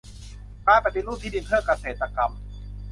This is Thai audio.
การปฏิรูปที่ดินเพื่อเกษตรกรรม